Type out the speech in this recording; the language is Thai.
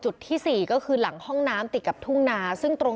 ชาวบ้านมาดักรอกันเยอะมากดูทรงแล้วน่าจะมีการรุมประชาธรรมเกิดขึ้นได้